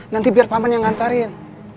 nanti biar paman yang ngantarin